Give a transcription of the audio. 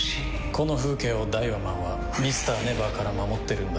この風景をダイワマンはＭｒ．ＮＥＶＥＲから守ってるんだ。